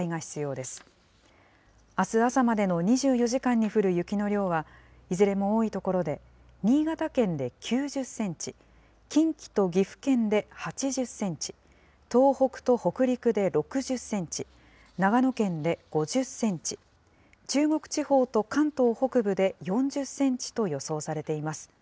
あす朝までの２４時間に降る雪の量は、いずれも多い所で、新潟県で９０センチ、近畿と岐阜県で８０センチ、東北と北陸で６０センチ、長野県で５０センチ、中国地方と関東北部で４０センチと予想されています。